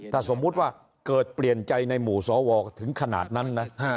ถ้าสมมุติว่าเกิดเปลี่ยนใจในหมู่สวถึงขนาดนั้นนะ